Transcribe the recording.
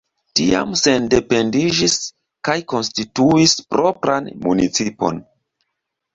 Tiam sendependiĝis kaj konstituis propran municipon.